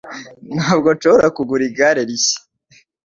Ntabwo nshobora kugura igare rishya.